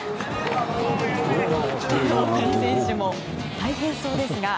他の選手も大変そうですが。